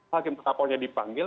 hakim terlapornya dipanggil